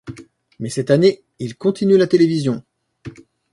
Mais cette année il continue la télévision.